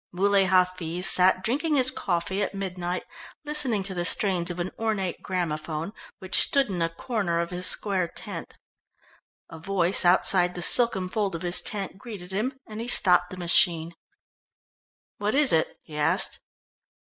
Muley Hafiz sat drinking his coffee at midnight, listening to the strains of an ornate gramophone, which stood in a corner of his square tent. A voice outside the silken fold of his tent greeted him, and he stopped the machine. "What is it?" he asked.